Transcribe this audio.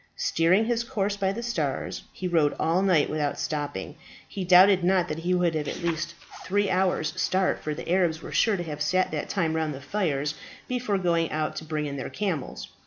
Steering his course by the stars, he rode all night without stopping. He doubted not that he would have at least three hours' start, for the Arabs were sure to have sat that time round the fires before going out to bring in their camels.